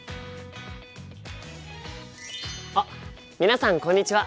あっ皆さんこんにちは！